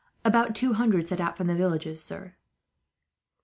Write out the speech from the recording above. "About two hundred set out from the villages, sir."